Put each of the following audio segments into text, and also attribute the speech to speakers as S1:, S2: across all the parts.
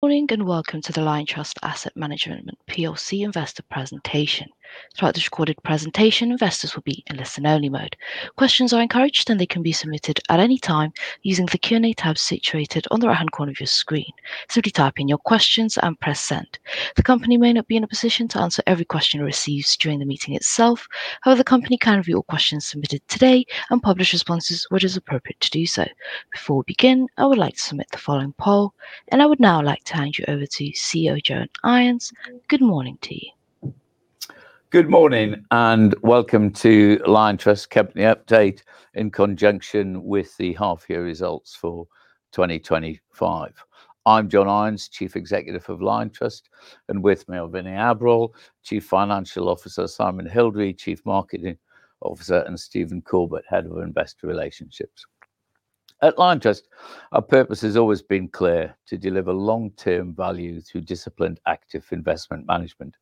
S1: Morning and welcome to the Liontrust Asset Management investor presentation. Throughout this recorded presentation, investors will be in listen-only mode. Questions are encouraged, and they can be submitted at any time using the Q&A tab situated on the right-hand corner of your screen. Simply type in your questions and press send. The company may not be in a position to answer every question it receives during the meeting itself. However, the company can review all questions submitted today and publish responses where it is appropriate to do so. Before we begin, I would like to submit the following poll, and I would now like to hand you over to CEO John Ions. Good morning to you.
S2: Good morning and welcome to Liontrust Company Update in conjunction with the half-year results for 2025. I'm John Ions, Chief Executive Officer of Liontrust, and with me are Vinay Abrol, Chief Financial Officer, Simon Hildrey, Chief Marketing Officer, and Stephen Corbett, Head of Investor Relations. At Liontrust, our purpose has always been clear: to deliver long-term value through disciplined, active investment management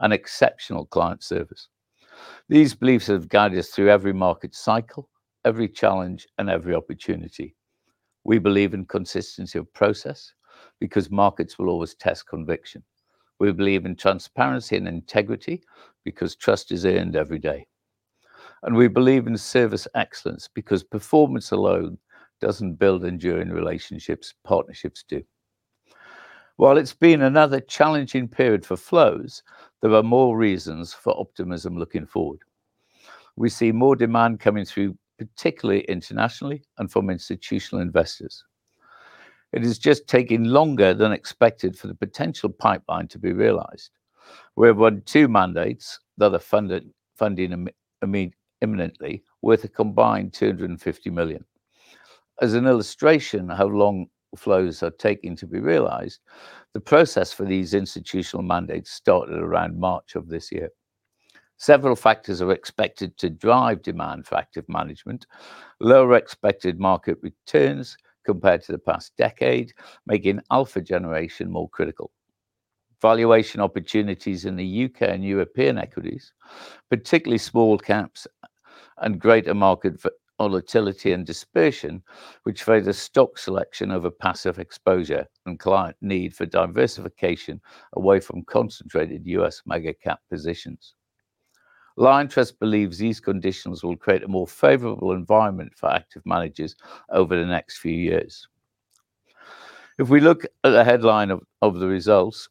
S2: and exceptional client service. These beliefs have guided us through every market cycle, every challenge, and every opportunity. We believe in consistency of process because markets will always test conviction. We believe in transparency and integrity because trust is earned every day. We believe in service excellence because performance alone doesn't build enduring relationships; partnerships do. While it's been another challenging period for flows, there are more reasons for optimism looking forward. We see more demand coming through, particularly internationally and from institutional investors. It is just taking longer than expected for the potential pipeline to be realized. We have won two mandates, the other funding imminently, worth a combined 250 million. As an illustration of how long flows are taking to be realized, the process for these institutional mandates started around March of this year. Several factors are expected to drive demand for active management: lower expected market returns compared to the past decade, making alpha generation more critical; valuation opportunities in the U.K. and European equities, particularly small-caps, and greater market volatility and dispersion, which favor stock selection over passive exposure and client need for diversification away from concentrated U.S. mega-cap positions. Liontrust believes these conditions will create a more favorable environment for active managers over the next few years. If we look at the headline of the results,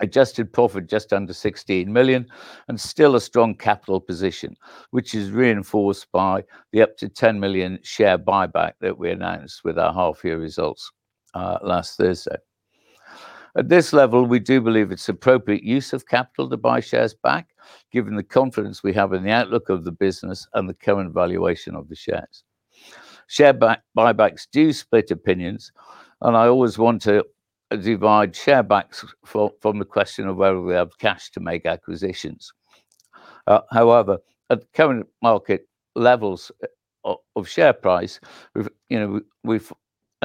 S2: adjusted profit just under 16 million and still a strong capital position, which is reinforced by the up to 10 million share buyback that we announced with our half-year results last Thursday. At this level, we do believe it's appropriate use of capital to buy shares back, given the confidence we have in the outlook of the business and the current valuation of the shares. Share buybacks do split opinions, and I always want to divide share buybacks from the question of whether we have cash to make acquisitions. However, at current market levels of share price, and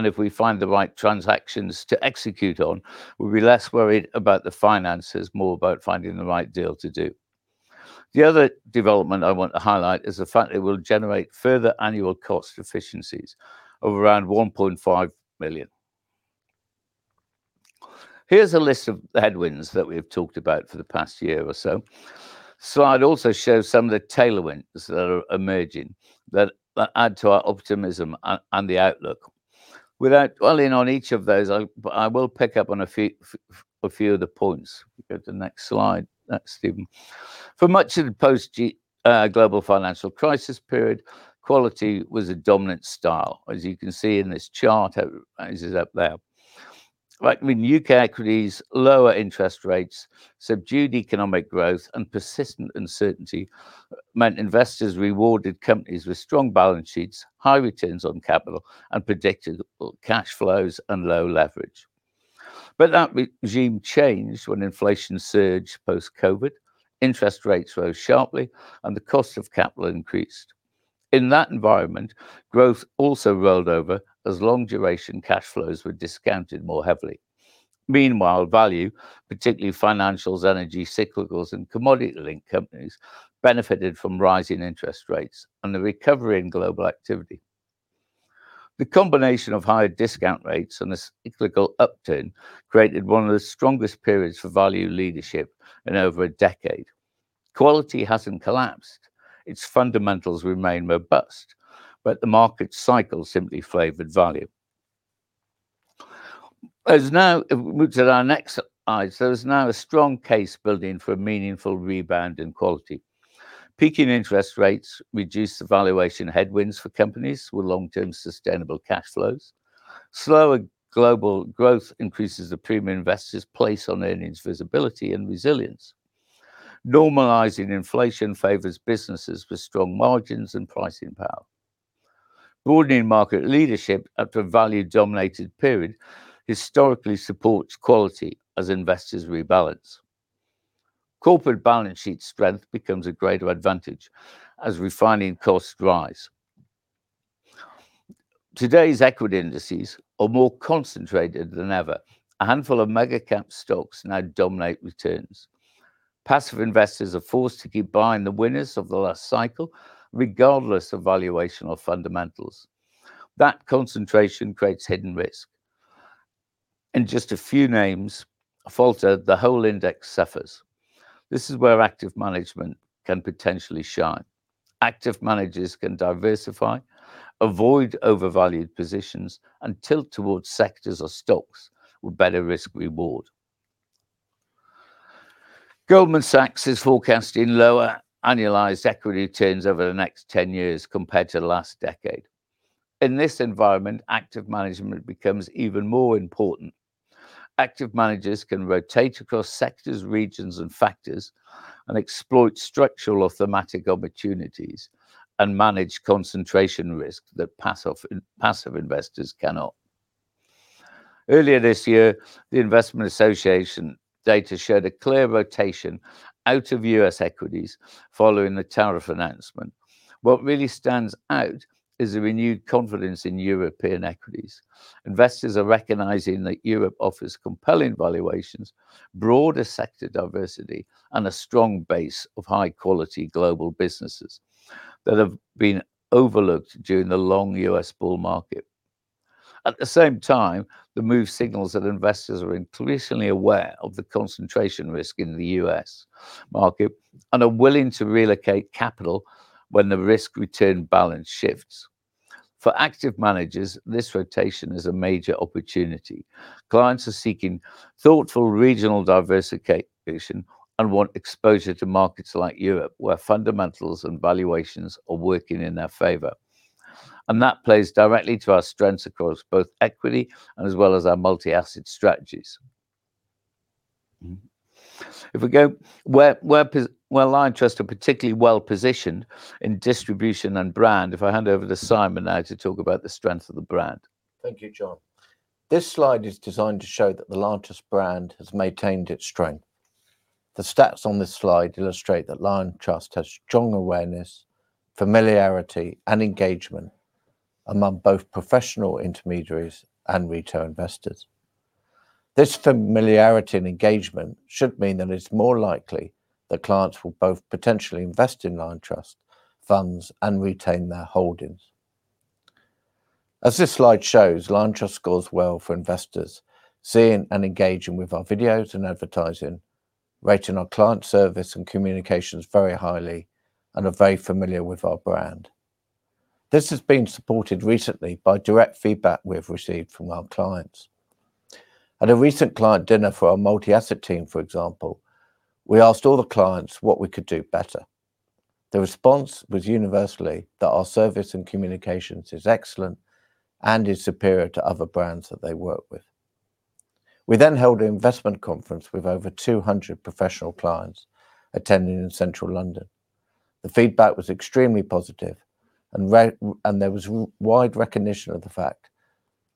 S2: if we find the right transactions to execute on, we'll be less worried about the finances, more about finding the right deal to do. The other development I want to highlight is the fact that it will generate further annual cost efficiencies of around 1.5 million. Here is a list of the headwinds that we have talked about for the past year or so. The slide also shows some of the tailwinds that are emerging that add to our optimism and the outlook. Without dwelling on each of those, I will pick up on a few of the points. Go to the next slide, Stephen. For much of the post-global financial crisis period, quality was a dominant style, as you can see in this chart. It is up there. Right, I mean, U.K. equities, lower interest rates, subdued economic growth, and persistent uncertainty meant investors rewarded companies with strong balance sheets, high returns on capital, and predictable cash flows and low leverage. That regime changed when inflation surged post-COVID, interest rates rose sharply, and the cost of capital increased. In that environment, growth also rolled over as long-duration cash flows were discounted more heavily. Meanwhile, value, particularly financials, energy, cyclicals, and commodity-linked companies benefited from rising interest rates and the recovery in global activity. The combination of higher discount rates and the cyclical upturn created one of the strongest periods for value leadership in over a decade. Quality has not collapsed. Its fundamentals remain robust, but the market cycle simply favored value. As we move to our next slide, there is now a strong case building for a meaningful rebound in quality. Peaking interest rates reduce the valuation headwinds for companies with long-term sustainable cash flows. Slower global growth increases the premium investors place on earnings visibility and resilience. Normalizing inflation favors businesses with strong margins and pricing power. Broadening market leadership after a value-dominated period historically supports quality as investors rebalance. Corporate balance sheet strength becomes a greater advantage as refining costs rise. Today's equity indices are more concentrated than ever. A handful of mega-cap stocks now dominate returns. Passive investors are forced to keep buying the winners of the last cycle, regardless of valuation or fundamentals. That concentration creates hidden risk. In just a few names, a falter, the whole index suffers. This is where active management can potentially shine. Active managers can diversify, avoid overvalued positions, and tilt towards sectors or stocks with better risk-reward. Goldman Sachs is forecasting lower annualized equity returns over the next 10 years compared to the last decade. In this environment, active management becomes even more important. Active managers can rotate across sectors, regions, and factors and exploit structural or thematic opportunities and manage concentration risks that passive investors cannot. Earlier this year, the Investment Association data showed a clear rotation out of U.S. equities following the tariff announcement. What really stands out is the renewed confidence in European equities. Investors are recognizing that Europe offers compelling valuations, broader sector diversity, and a strong base of high-quality global businesses that have been overlooked during the long U.S. bull market. At the same time, the move signals that investors are increasingly aware of the concentration risk in the U.S. market and are willing to relocate capital when the risk-return balance shifts. For active managers, this rotation is a major opportunity. Clients are seeking thoughtful regional diversification and want exposure to markets like Europe, where fundamentals and valuations are working in their favor. That plays directly to our strengths across both equity and as well as our multi-asset strategies. If we go, where Liontrust are particularly well positioned in distribution and brand, if I hand over to Simon now to talk about the strength of the brand.
S3: Thank you, John. This slide is designed to show that the Liontrust brand has maintained its strength. The stats on this slide illustrate that Liontrust has strong awareness, familiarity, and engagement among both professional intermediaries and retail investors. This familiarity and engagement should mean that it is more likely that clients will both potentially invest in Liontrust funds and retain their holdings. As this slide shows, Liontrust scores well for investors, seeing and engaging with our videos and advertising, rating our client service and communications very highly, and are very familiar with our brand. This has been supported recently by direct feedback we have received from our clients. At a recent client dinner for our multi-asset team, for example, we asked all the clients what we could do better. The response was universally that our service and communications is excellent and is superior to other brands that they work with. We then held an investment conference with over 200 professional clients attending in Central London. The feedback was extremely positive, and there was wide recognition of the fact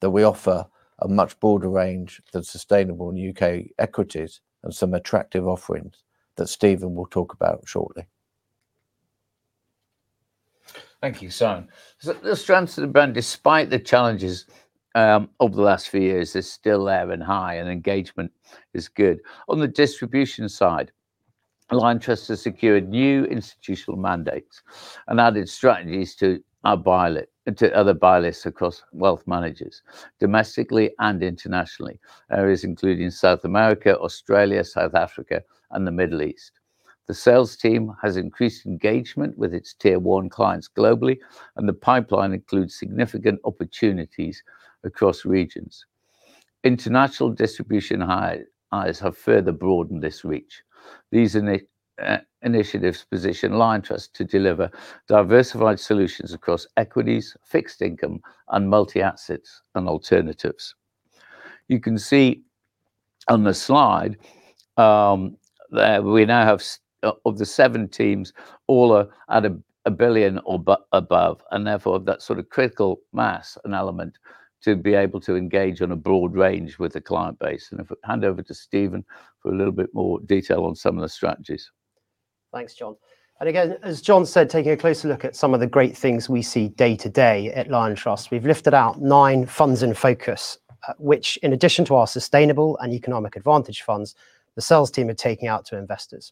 S3: that we offer a much broader range than sustainable U.K. equities and some attractive offerings that Stephen will talk about shortly.
S2: Thank you, Simon. Let's try and say, despite the challenges over the last few years, they're still there and high, and engagement is good. On the distribution side, Liontrust has secured new institutional mandates and added strategies to other buylists across wealth managers domestically and internationally, areas including South America, Australia, South Africa, and the Middle East. The sales team has increased engagement with its tier-one clients globally, and the pipeline includes significant opportunities across regions. International distribution hires have further broadened this reach. These initiatives position Liontrust to deliver diversified solutions across equities, fixed income, and multi-assets and alternatives. You can see on the slide that we now have, of the seven teams, all are at a billion or above, and therefore that sort of critical mass and element to be able to engage on a broad range with a client base. If we hand over to Stephen for a little bit more detail on some of the strategies.
S4: Thanks, John. As John said, taking a closer look at some of the great things we see day to day at Liontrust, we have lifted out nine funds in focus, which, in addition to our sustainable and economic advantage funds, the sales team are taking out to investors.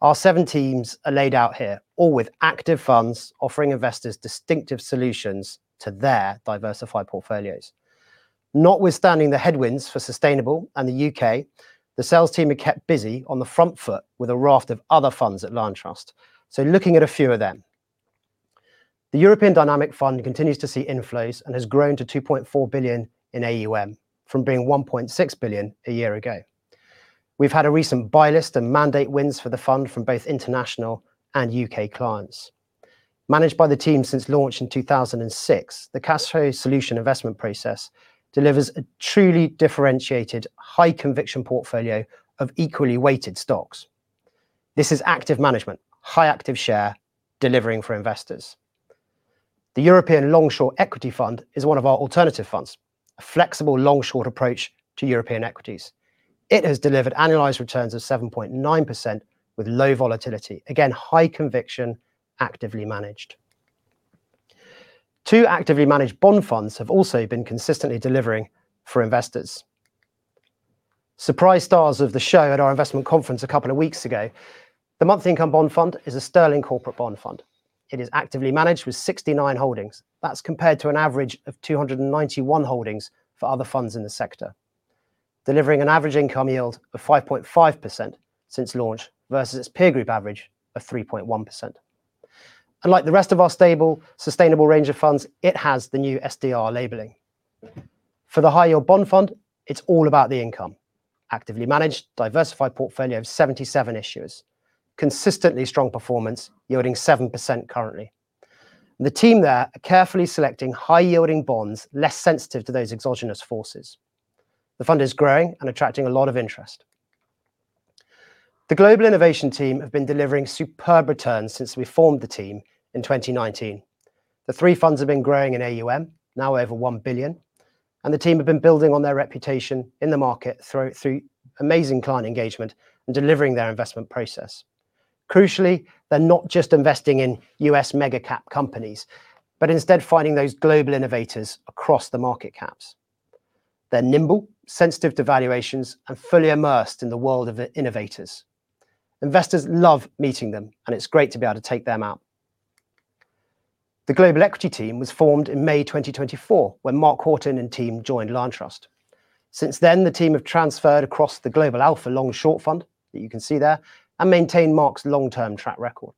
S4: Our seven teams are laid out here, all with active funds offering investors distinctive solutions to their diversified portfolios. Notwithstanding the headwinds for sustainable and the U.K., the sales team have kept busy on the front foot with a raft of other funds at Liontrust. Looking at a few of them, the European Dynamic Fund continues to see inflows and has grown to 2.4 billion in AUM from being 1.6 billion a year ago. We have had a recent buy list and mandate wins for the fund from both international and U.K. clients. Managed by the team since launch in 2006, the cash flow solution investment process delivers a truly differentiated, high-conviction portfolio of equally weighted stocks. This is active management, high active share, delivering for investors. The European Long Short Equity Fund is one of our alternative funds, a flexible long short approach to European equities. It has delivered annualized returns of 7.9% with low volatility, again, high conviction, actively managed. Two actively managed bond funds have also been consistently delivering for investors. Surprise stars of the show at our investment conference a couple of weeks ago, the Monthly Income Bond Fund is a sterling corporate bond fund. It is actively managed with 69 holdings. That is compared to an average of 291 holdings for other funds in the sector, delivering an average income yield of 5.5% since launch versus its peer group average of 3.1%. Unlike the rest of our stable sustainable range of funds, it has the new SDR labeling. For the High Yield Bond Fund, it's all about the income. Actively managed, diversified portfolio of 77 issuers, consistently strong performance, yielding 7% currently. The team there are carefully selecting high-yielding bonds less sensitive to those exogenous forces. The fund is growing and attracting a lot of interest. The Global Innovation team have been delivering superb returns since we formed the team in 2019. The three funds have been growing in AUM, now over 1 billion, and the team have been building on their reputation in the market through amazing client engagement and delivering their investment process. Crucially, they're not just investing in U.S. mega-cap companies, but instead finding those global innovators across the market caps. They're nimble, sensitive to valuations, and fully immersed in the world of innovators. Investors love meeting them, and it's great to be able to take them out. The global equity team was formed in May 2024 when Mark Hawtin and team joined Liontrust. Since then, the team have transferred across the Global Alpha Long Short Fund that you can see there and maintain Mark's long-term track record.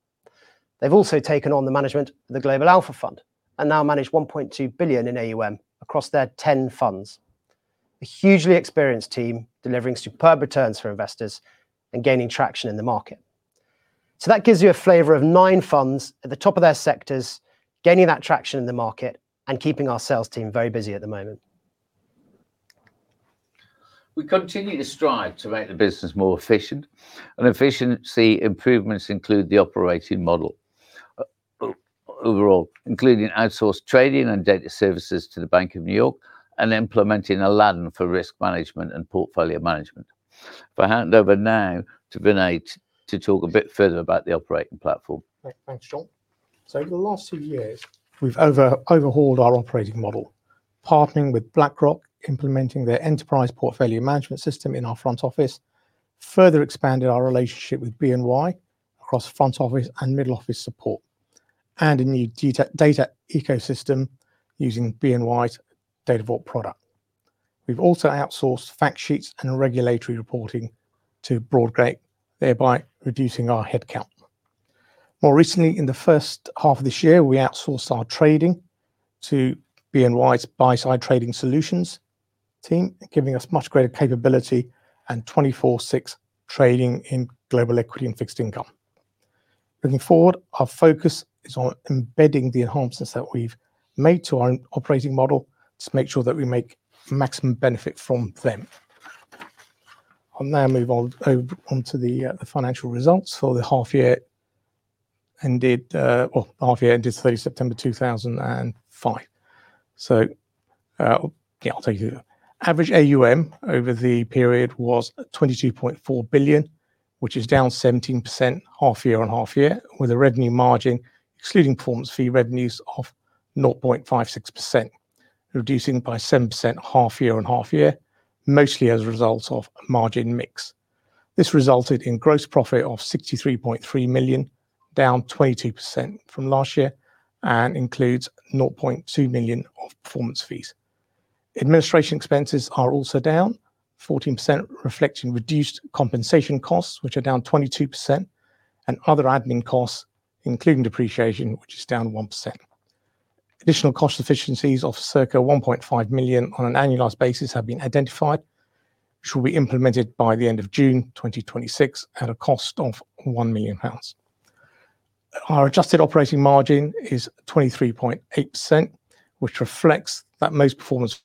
S4: They've also taken on the management of the Global Alpha Fund and now manage 1.2 billion in AUM across their 10 funds. A hugely experienced team delivering superb returns for investors and gaining traction in the market. That gives you a flavor of nine funds at the top of their sectors, gaining that traction in the market and keeping our sales team very busy at the moment.
S2: We continue to strive to make the business more efficient, and efficiency improvements include the operating model overall, including outsourced trading and data services to The Bank of New York and implementing Aladdin for risk management and portfolio management. If I hand over now to Vinay to talk a bit further about the operating platform.
S5: Thanks, John. Over the last 2 years, we've overhauled our operating model, partnering with BlackRock, implementing their enterprise portfolio management system in our front office, further expanded our relationship with BNY across front office and middle office support, and a new data ecosystem using BNY's data vault product. We've also outsourced fact sheets and regulatory reporting to Broadgate, thereby reducing our headcount. More recently, in the first half of this year, we outsourced our trading to BNY's buy-side trading solutions team, giving us much greater capability and 24/6 trading in global equity and fixed income. Looking forward, our focus is on embedding the enhancements that we've made to our operating model to make sure that we make maximum benefit from them. I'll now move on to the financial results for the half-year ended, half-year ended 30 September 2025. I'll take you through. Average AUM over the period was 22.4 billion, which is down 17% half-year on half-year, with a revenue margin, excluding performance fee revenues, of 0.56%, reducing by 7% half-year on half-year, mostly as a result of a margin mix. This resulted in gross profit of 63.3 million, down 22% from last year, and includes 0.2 million of performance fees. Administration expenses are also down 14%, reflecting reduced compensation costs, which are down 22%, and other admin costs, including depreciation, which is down 1%. Additional cost efficiencies of circa 1.5 million on an annualized basis have been identified, which will be implemented by the end of June 2026 at a cost of 1 million pounds. Our adjusted operating margin is 23.8%, which reflects that most performance.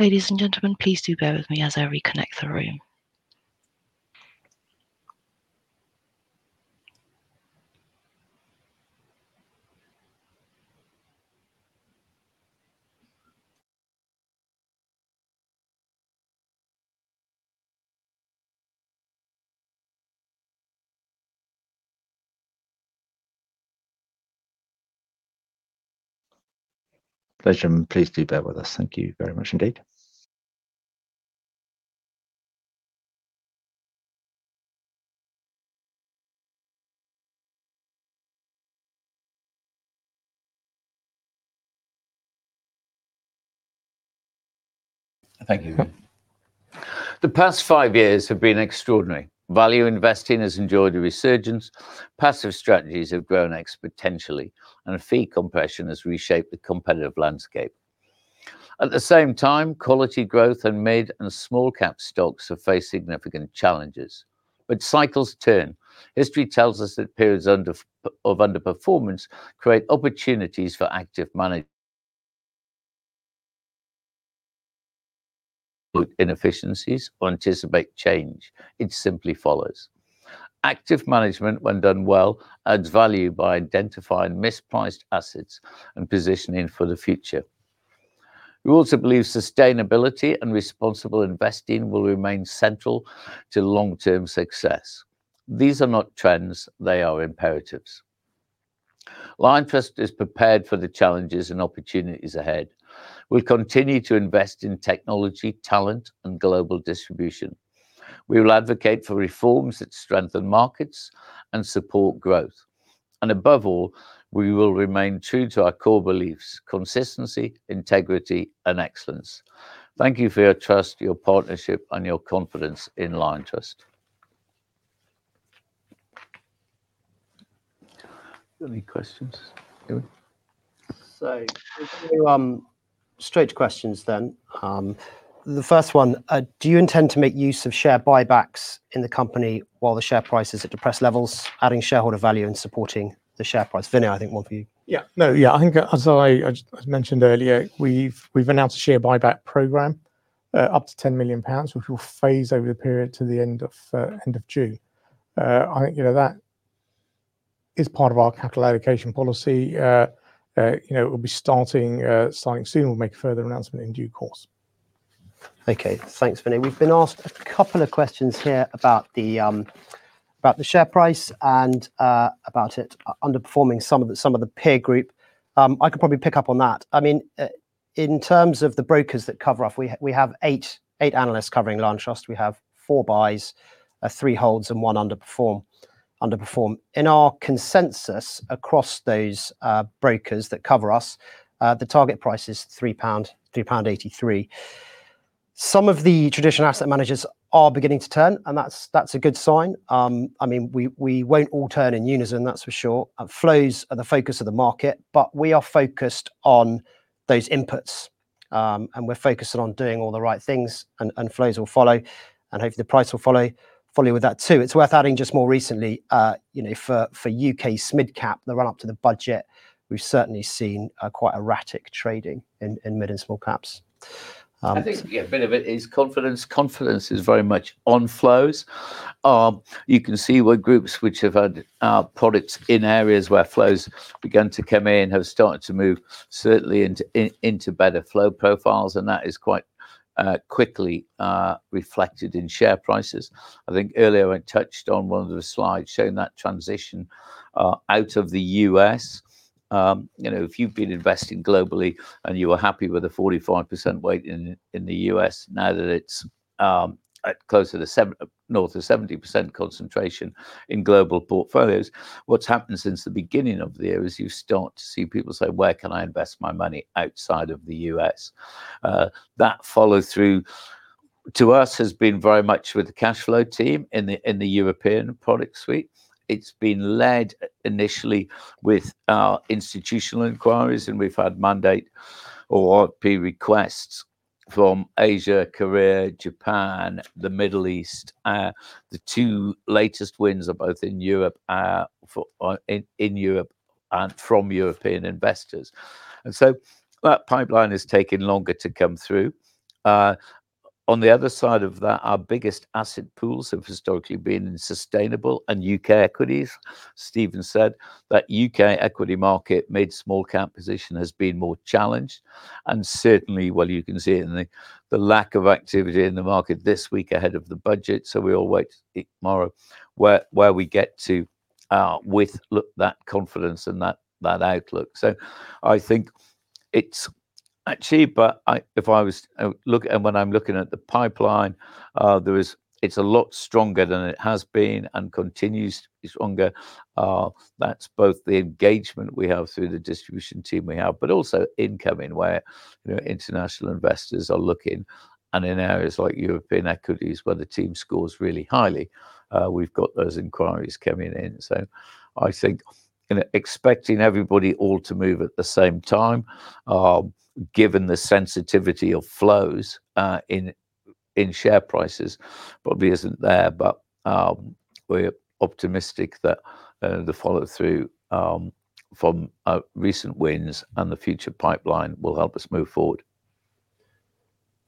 S1: Ladies and gentlemen, please do bear with me as I reconnect the room. Pleasure, and please do bear with us. Thank you very much indeed. Thank you.
S2: The past 5 years have been extraordinary. Value investing has enjoyed a resurgence, passive strategies have grown exponentially, and fee compression has reshaped the competitive landscape. At the same time, quality growth and mid and small-cap stocks have faced significant challenges. Cycles turn. History tells us that periods of underperformance create opportunities for active management. Inefficiencies or anticipate change. It simply follows. Active management, when done well, adds value by identifying mispriced assets and positioning for the future. We also believe sustainability and responsible investing will remain central to long-term success. These are not trends; they are imperatives. Liontrust is prepared for the challenges and opportunities ahead. We'll continue to invest in technology, talent, and global distribution. We will advocate for reforms that strengthen markets and support growth. Above all, we will remain true to our core beliefs: consistency, integrity, and excellence. Thank you for your trust, your partnership, and your confidence in Liontrust. Any questions?
S4: A few straight questions then. The first one, do you intend to make use of share buybacks in the company while the share price is at depressed levels, adding shareholder value and supporting the share price? Vinay, I think one for you.
S5: Yeah, no, yeah, I think, as I mentioned earlier, we've announced a share buyback program up to 10 million pounds, which will phase over the period to the end of June. I think that is part of our capital allocation policy. It will be starting soon. We'll make a further announcement in due course.
S4: Okay, thanks, Vinay. We've been asked a couple of questions here about the share price and about it underperforming some of the peer group. I could probably pick up on that. I mean, in terms of the brokers that cover us, we have eight analysts covering Liontrust. We have four buys, three holds, and one underperform. In our consensus across those brokers that cover us, the target price is 3.83 pound. Some of the traditional asset managers are beginning to turn, and that's a good sign. I mean, we won't all turn in unison, that's for sure. Flows are the focus of the market, but we are focused on those inputs, and we're focused on doing all the right things, and flows will follow, and hopefully the price will follow with that too. It's worth adding just more recently, for U.K. mid-cap, the run-up to the budget, we've certainly seen quite erratic trading in mid and small-caps.
S2: I think a bit of it is confidence. Confidence is very much on flows. You can see where groups which have had products in areas where flows began to come in have started to move certainly into better flow profiles, and that is quite quickly reflected in share prices. I think earlier I touched on one of the slides showing that transition out of the U.S. If you've been investing globally and you were happy with a 45% weight in the U.S., now that it's closer to north of 70% concentration in global portfolios, what's happened since the beginning of the year is you start to see people say, "Where can I invest my money outside of the U.S.?" That follow-through to us has been very much with the cash flow team in the European product suite. It's been led initially with our institutional inquiries, and we've had mandate or peer requests from Asia, Korea, Japan, the Middle East. The two latest wins are both in Europe and from European investors. That pipeline has taken longer to come through. On the other side of that, our biggest asset pools have historically been in sustainable and U.K. equities. Stephen said that U.K. equity market, mid small-cap position has been more challenged. Certainly, you can see the lack of activity in the market this week ahead of the budget, so we all wait to see tomorrow where we get to with that confidence and that outlook. I think it's achieved, but if I was looking at, when I'm looking at the pipeline, it's a lot stronger than it has been and continues to be stronger. is both the engagement we have through the distribution team we have, but also incoming where international investors are looking and in areas like European equities where the team scores really highly. We have those inquiries coming in. I think expecting everybody all to move at the same time, given the sensitivity of flows in share prices, probably is not there, but we are optimistic that the follow-through from recent wins and the future pipeline will help us move forward.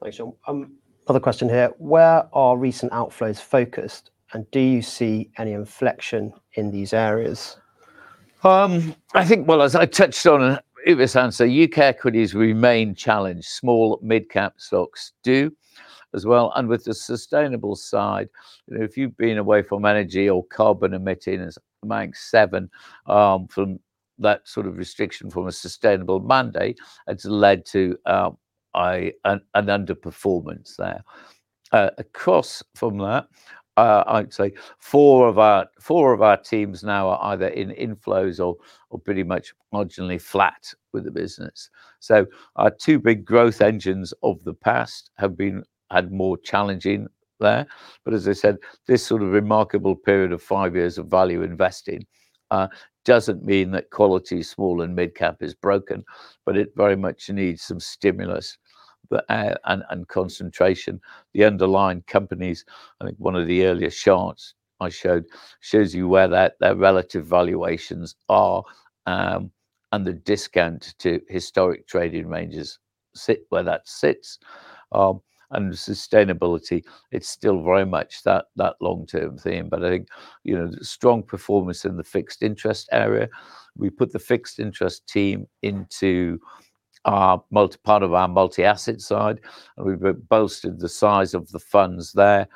S4: Thanks, John. Another question here. Where are recent outflows focused, and do you see any inflection in these areas?
S2: I think, as I touched on this answer, U.K. equities remain challenged. Small mid-cap stocks do as well. With the sustainable side, if you've been away from energy or carbon emitting as a Mag 7 from that sort of restriction from a sustainable mandate, it's led to an underperformance there. Across from that, I'd say four of our teams now are either in inflows or pretty much marginally flat with the business. Our two big growth engines of the past have been more challenging there. As I said, this sort of remarkable period of 5 years of value investing doesn't mean that quality small and mid-cap is broken, but it very much needs some stimulus and concentration. The underlying companies, I think one of the earlier charts I showed shows you where their relative valuations are and the discount to historic trading ranges sit where that sits. Sustainability, it's still very much that long-term theme. I think strong performance in the fixed interest area. We put the fixed interest team into part of our multi-asset side, and we've bolstered the size of the funds there,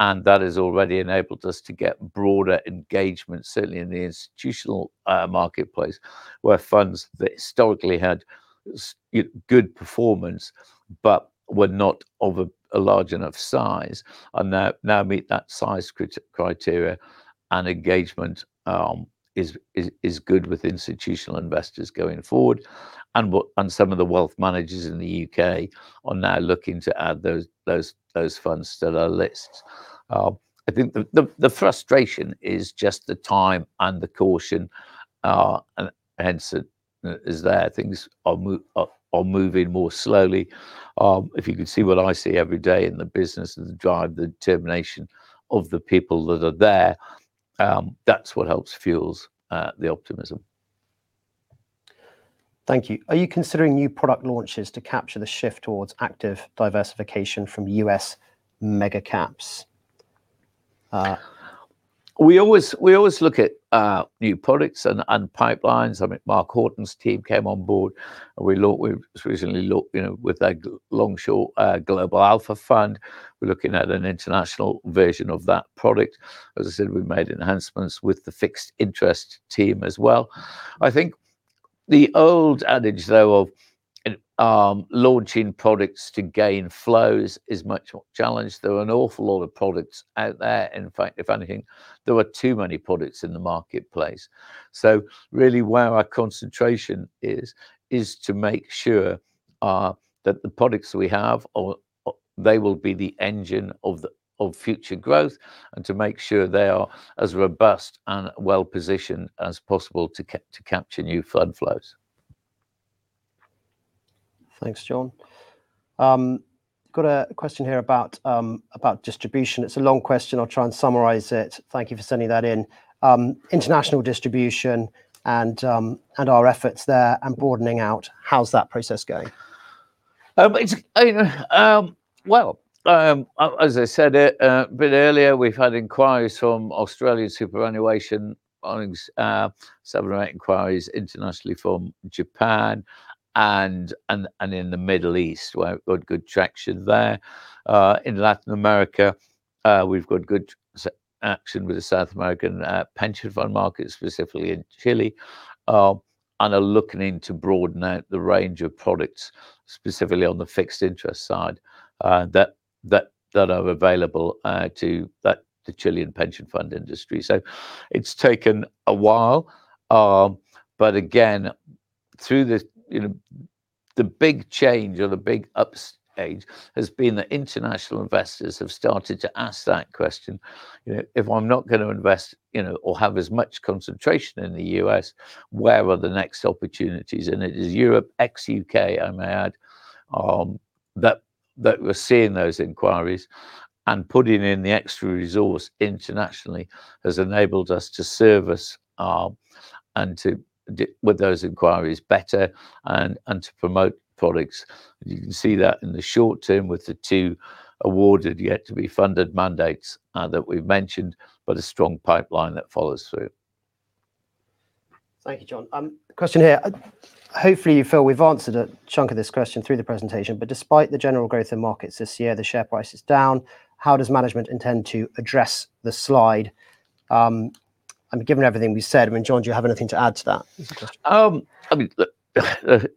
S2: and that has already enabled us to get broader engagement, certainly in the institutional marketplace where funds that historically had good performance but were not of a large enough size now meet that size criteria, and engagement is good with institutional investors going forward. Some of the wealth managers in the U.K. are now looking to add those funds to their lists. I think the frustration is just the time and the caution, and hence it is there. Things are moving more slowly. If you can see what I see every day in the business and drive the determination of the people that are there, that's what helps fuel the optimism.
S4: Thank you. Are you considering new product launches to capture the shift towards active diversification from U.S. mega-caps?
S2: We always look at new products and pipelines. I mean, Mark Hawtin's team came on board. We recently looked with a long-short global alpha fund. We're looking at an international version of that product. As I said, we've made enhancements with the fixed interest team as well. I think the old adage, though, of launching products to gain flows is much more challenged. There are an awful lot of products out there. In fact, if anything, there were too many products in the marketplace. Really where our concentration is, is to make sure that the products we have, they will be the engine of future growth and to make sure they are as robust and well-positioned as possible to capture new fund flows.
S4: Thanks, John. Got a question here about distribution. It's a long question. I'll try and summarize it. Thank you for sending that in. International distribution and our efforts there and broadening out, how's that process going?
S2: As I said a bit earlier, we've had inquiries from Australian superannuation, seven or eight inquiries internationally from Japan and in the Middle East where we've got good traction there. In Latin America, we've got good action with the South American pension fund market, specifically in Chile, and are looking into broadening out the range of products, specifically on the fixed interest side that are available to the Chilean pension fund industry. It's taken a while, but again, through the big change or the big upstage has been that international investors have started to ask that question. If I'm not going to invest or have as much concentration in the U.S., where are the next opportunities? It is Europe, ex-U.K., I may add, that we're seeing those inquiries and putting in the extra resource internationally has enabled us to service and to do with those inquiries better and to promote products. You can see that in the short term with the two awarded yet to be funded mandates that we've mentioned, but a strong pipeline that follows through.
S4: Thank you, John. Question here. Hopefully, you feel we've answered a chunk of this question through the presentation, but despite the general growth in markets this year, the share price is down. How does management intend to address the slide? Given everything we've said, I mean, John, do you have anything to add to that?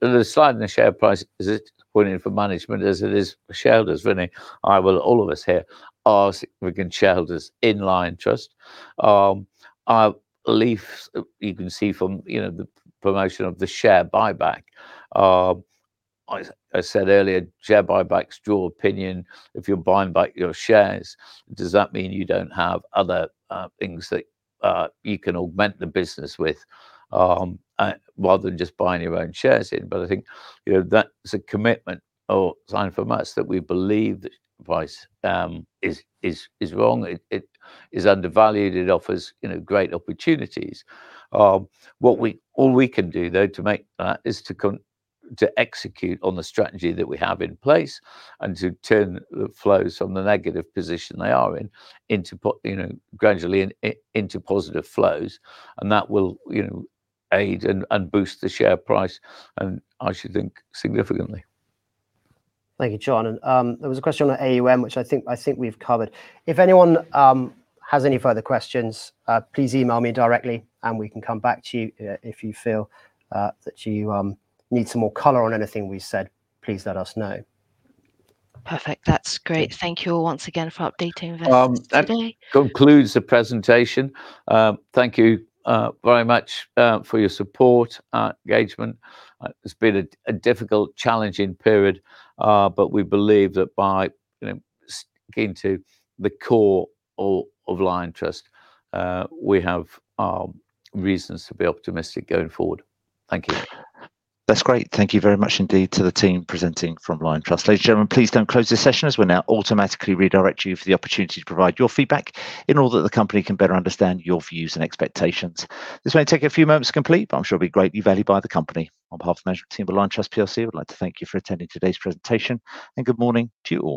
S2: The slide in the share price is pointing for management as it is for shareholders, Vinay, all of us here are significant shareholders in Liontrust. You can see from the promotion of the share buyback. I said earlier, share buybacks draw opinion. If you're buying back your shares, does that mean you don't have other things that you can augment the business with rather than just buying your own shares in? I think that's a commitment or sign for much that we believe that price is wrong. It is undervalued. It offers great opportunities. What we can do, though, to make that is to execute on the strategy that we have in place and to turn the flows from the negative position they are in gradually into positive flows. That will aid and boost the share price, and I should think significantly.
S4: Thank you, John. There was a question on AUM, which I think we've covered. If anyone has any further questions, please email me directly, and we can come back to you. If you feel that you need some more color on anything we said, please let us know.
S1: Perfect. That's great. Thank you all once again for updating.
S2: Concludes the presentation. Thank you very much for your support, engagement. It has been a difficult, challenging period, but we believe that by sticking to the core of Liontrust, we have reasons to be optimistic going forward. Thank you. That's great. Thank you very much indeed to the team presenting from Liontrust. Ladies and gentlemen, please don't close the session as we'll now automatically redirect you for the opportunity to provide your feedback in order that the company can better understand your views and expectations. This may take a few moments to complete, but I'm sure it'll be greatly valued by the company. On behalf of the management team at Liontrust, we'd like to thank you for attending today's presentation. Good morning to you all.